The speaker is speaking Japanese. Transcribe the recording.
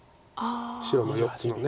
白の４つの。